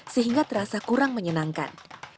sehingga terasa kurang menyenangkan